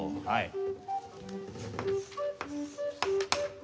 はい。